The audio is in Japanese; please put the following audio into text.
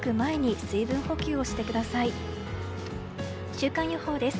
週間予報です。